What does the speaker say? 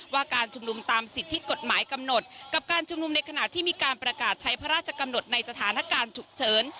การชุมนุมตามสิทธิ์ที่กฎหมายกำหนดกับการชุมนุมในขณะที่มีการประกาศใช้พระราชกำหนดในสถานการณ์ฉุกเฉิน